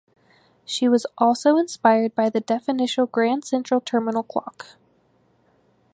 She was also inspired by the definitional Grand Central Terminal clock.